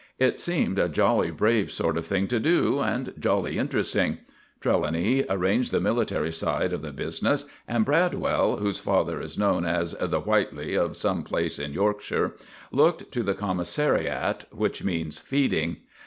It seemed a jolly brave sort of thing to do, and jolly interesting. Trelawny arranged the military side of the business, and Bradwell, whose father is known as the "Whiteley" of some place in Yorkshire, looked to the commissariat, which means feeding.